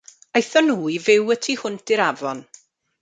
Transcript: Aethon nhw i fyw y tu hwnt i'r afon.